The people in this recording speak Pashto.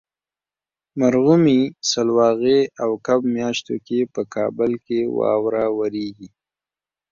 مرغومي ، سلواغې او کب میاشتو کې په کابل کې واوره وریږي.